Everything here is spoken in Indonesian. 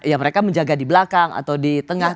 ya mereka menjaga di belakang atau di tengah